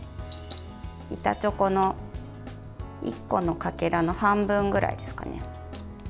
板チョコの１個のかけらの半分ぐらいですかね。